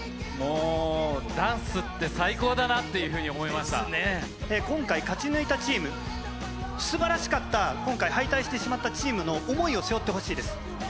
もうダンスって最高だなって今回、勝ち抜いたチーム、すばらしかった、今回、敗退してしまったチームの思いを背負ってほしいです。